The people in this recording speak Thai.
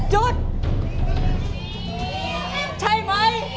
๔๔ไหม